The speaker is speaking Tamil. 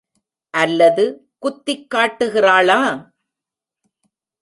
அல்லது, குத்திக் காட்டுகிறாளா?